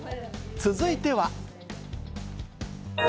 続いては。